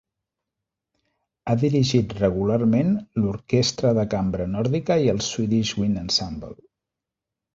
Ha dirigit regularment l'Orquestra de cambra nòrdica i el Swedish Wind Ensemble.